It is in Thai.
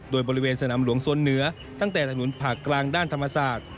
โดยบริเวณสนามหลวงสวนเหนือตั้งแต่ถนนผ่ากลางด้านธรรมศาสตร์